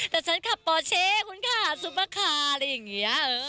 แต่ฉันขับปอเช่คุณค่ะซุปเปอร์คาร์อะไรอย่างนี้